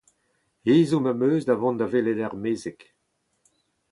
Ezhomm am eus da vont da welet ur mezeg.